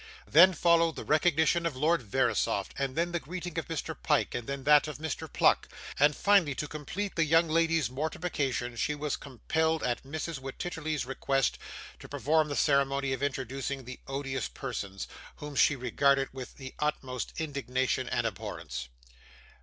Then followed the recognition of Lord Verisopht, and then the greeting of Mr. Pyke, and then that of Mr Pluck, and finally, to complete the young lady's mortification, she was compelled at Mrs. Wititterly's request to perform the ceremony of introducing the odious persons, whom she regarded with the utmost indignation and abhorrence.